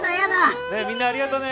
みんなありがとね。